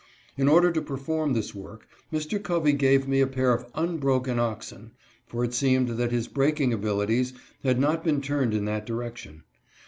In order to perform this work, Mr. Covey gave me a pair of unbroken oxen, for it seemed that his breaking abilities had not been turned in that direction.